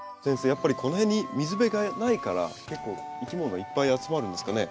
やっぱりこの辺に水辺がないから結構いきものいっぱい集まるんですかね。